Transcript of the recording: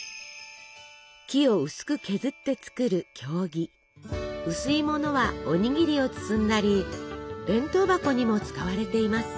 木を薄く削って作る薄いものはおにぎりを包んだり弁当箱にも使われています。